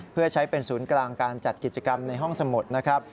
เพื่อใช้เป็นศูนย์กลางการจัดกิจกรรมในห้องสมุดนะครับ